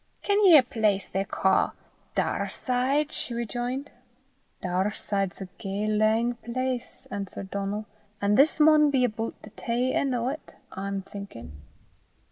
"Ken ye a place they ca' Daurside?" she rejoined. "Daurside's a gey lang place," answered Donal; "an' this maun be aboot the tae en' o' 't, I'm thinkin'."